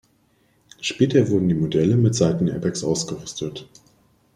Später wurden die Modelle mit Seitenairbags ausgerüstet.